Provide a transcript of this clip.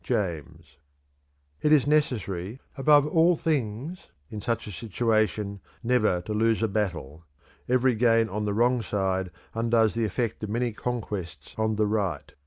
James. "It is necessary, above all things, in such a situation, never to lose a battle. Every gain on the wrong side undoes the effect of many conquests on the right.